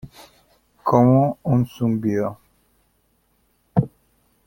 como un zumbido.